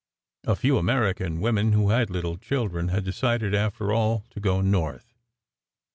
A few American women who had little children had decided after all to go north.